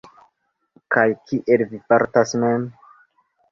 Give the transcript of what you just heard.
Kaj kiel vi fartas mem?